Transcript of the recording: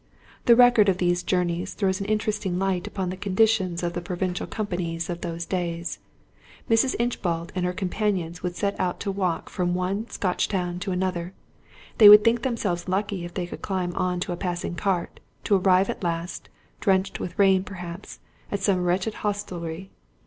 The record of these journeys throws an interesting light upon the conditions of the provincial companies of those days. Mrs. Inchbald and her companions would set out to walk from one Scotch town to another; they would think themselves lucky if they could climb on to a passing cart, to arrive at last, drenched with rain perhaps, at some wretched hostelry.